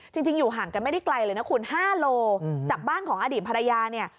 จริงอยู่ห่างกันไม่ได้ไกลเลยนะคุณ๕โลจากบ้านของอดีตภรรยาเนี่ย